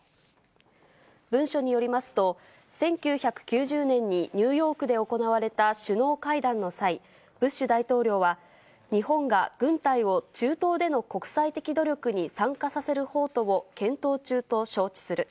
文書によりますと、１９９０年にニューヨークで行われた首脳会談の際、ブッシュ大統領は、日本が軍隊を中東での国際的努力に参加させる方途を検討中と承知する。